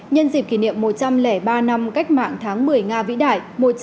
nhân dịp kỷ niệm một trăm linh ba năm cách mạng tháng một mươi nga vĩ đại